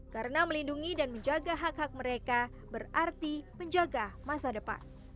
karena melindungi dan menjaga hak hak mereka berarti menjaga masa depan